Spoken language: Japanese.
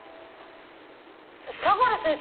相良先生！